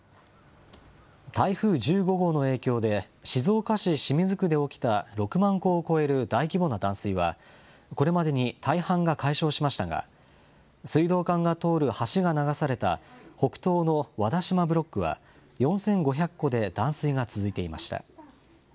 台風１５号の影響で、静岡市清水区で起きた６万戸を超える大規模な断水は、これまでに大半が解消しましたが、水道管が通る橋が流された北東の和田島ブロックは、４５００戸で断水が続いていました。